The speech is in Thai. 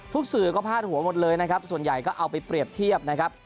ทุกสื่อก็พลาดหัวหมดเลยส่วนใหญ่ก็เอาไปเปรียบเทียบ